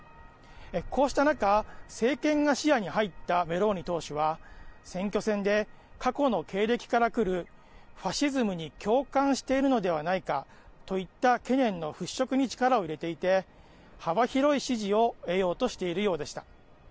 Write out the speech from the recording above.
こうした中、政権が視野に入ったメローニ党首は選挙戦で、過去の経歴からくるファシズムに共感しているのではないかといった懸念の払拭に力を入れていて幅広い支持を得ようとしているようでした。